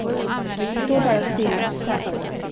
Stå bara stilla.